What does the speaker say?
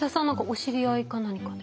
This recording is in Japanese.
お知り合いか何かで？